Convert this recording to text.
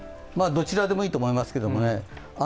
どちらでもいいと思いますけどね。